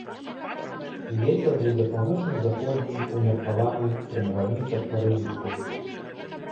Вецер будзе паўночна-заходні, умеркаваны, пры навальніцах парывісты.